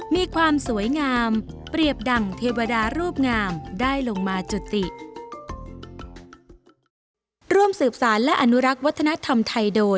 มีความสวยงามเปรียบดั่งเทวดารูปงามได้ลงมาจุติ